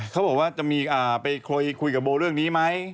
เขาบอกว่าจะมีไปคุยกับโบเรื่องนี้ไหม